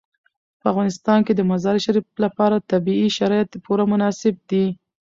په افغانستان کې د مزارشریف لپاره طبیعي شرایط پوره مناسب دي.